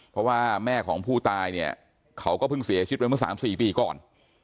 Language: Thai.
เพราะว่าแม่ของผู้ตายเนี่ยเขาก็เพิ่งเสียชีวิตไปเมื่อ๓๔ปีก่อน